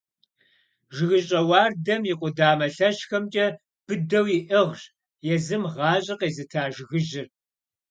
ЖыгыщӀэ уардэм и къудамэ лъэщхэмкӀэ быдэу иӀыгъщ езым гъащӀэ къезыта жыгыжьыр.